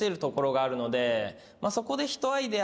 そこで。